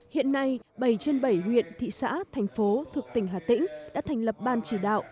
hiện nay bảy trên bảy huyện thị xã thành phố thuộc tỉnh hà tĩnh đã thành lập ban chỉ đạo